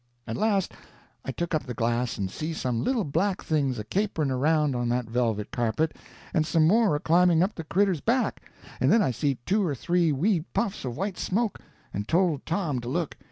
At last I took up the glass and see some little black things a capering around on that velvet carpet, and some more a climbing up the cretur's back, and then I see two or three wee puffs of white smoke, and told Tom to look.